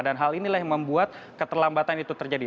dan hal inilah yang membuat keterlambatan itu terjadi